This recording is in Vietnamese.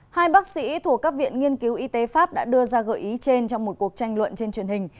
hai bác sĩ thuộc các viện nghiên cứu y tế pháp đã đưa ra gợi ý trên trong một cuộc tranh luận trên truyền hình